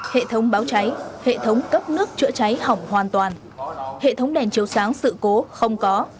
hệ thống báo cháy hệ thống cấp nước chữa cháy hỏng hoàn toàn hệ thống đèn chiếu sáng sự cố không có